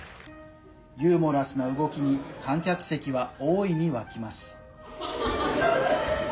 ユーモラスな動きに観客席は大いに沸きます。